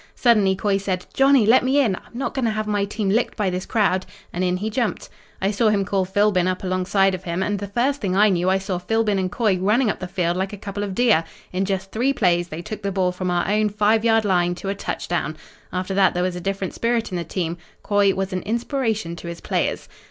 "Suddenly Coy said: 'Johnny, let me in. I'm not going to have my team licked by this crowd.' And in he jumped. "I saw him call Philbin up alongside of him and the first thing I knew I saw Philbin and Coy running up the field like a couple of deer. In just three plays they took the ball from our own 5 yard line to a touchdown. After that there was a different spirit in the team. Coy was an inspiration to his players."